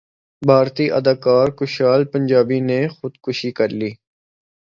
بھارتی اداکار کشال پنجابی نے خودکشی کرلی